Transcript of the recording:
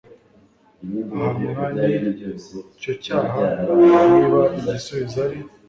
ahamwa n icyo cyaha Niba igisubizo ari